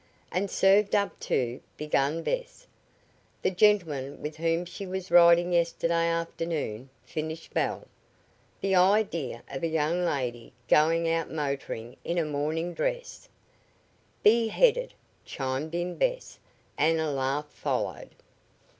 "And served up to " began Bess. "The gentleman with whom she was riding yesterday afternoon," finished Belle. "The idea of a young lady going out motoring in a morning dress " "Bareheaded," chimed in Bess, and a laugh followed.